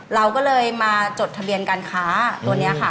เราก็เลยมาจดทะเบียนการค้าตัวนี้ค่ะ